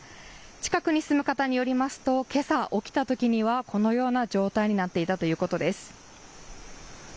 近くに住む方によりますとけさ起きたときにはこのような状態になっていたということです。